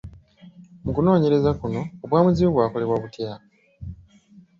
Mu kunoonyereza kuno, obwamuzibe bwakolebwa butya?